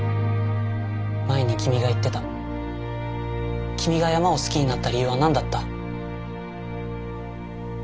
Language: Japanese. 前に君が言ってた君が山を好きになった理由は何だった？